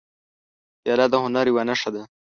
پیاله د هنر یوه نښه ده.